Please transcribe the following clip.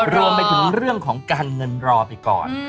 รวมไปถึงเรื่องของการเงินรอไปก่อน